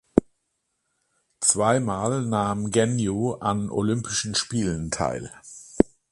Zweimal nahm Ganew an Olympischen Spielen teil.